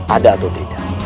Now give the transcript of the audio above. ada atau tidak